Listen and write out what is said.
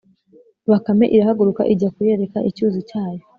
bakame irahaguruka ijya kuyereka icyuzi cyayo